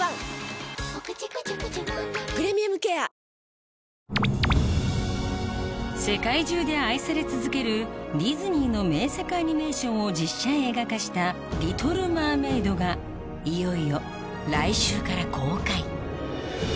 うるおいタイプも世界中で愛され続けるディズニーの名作アニメーションを実写映画化した『リトル・マーメイド』がいよいよ来週から公開